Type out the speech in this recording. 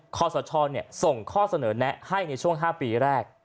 ขอสชส่งข้อเสนอแนะให้ในช่วง๕ปีแรก